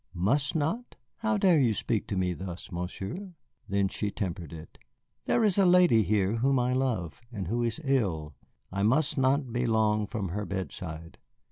"Must not? How dare you speak to me thus, Monsieur?" Then she tempered it. "There is a lady here whom I love, and who is ill. I must not be long from her bedside."